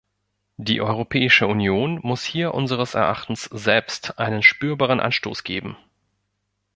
Die Europäische Union muss hier unseres Erachtens selbst einen spürbaren Anstoß geben.